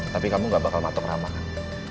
tapi kamu nggak bakal matok rama kan